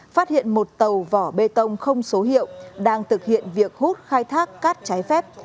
phát hiện một tàu vỏ bê tông không số hiệu đang thực hiện việc hút khai thác cát trái phép